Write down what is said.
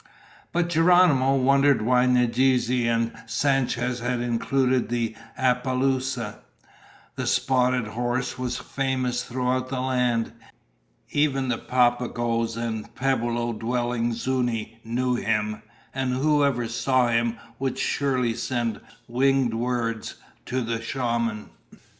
But Geronimo wondered why Nadeze and Sanchez had included the apaloosa. The spotted horse was famous throughout the land. Even the Papagoes and pueblo dwelling Zuñi knew him, and whoever saw him would surely send winged words to the shaman.